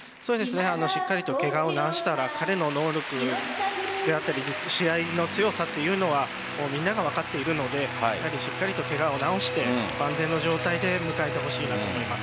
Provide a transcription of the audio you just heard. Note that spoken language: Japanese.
しっかりとけがを治したら彼の能力であったり試合の強さというのはみんなが分かっているのでやはり、しっかりとけがを治して万全の状態で迎えてほしいと思います。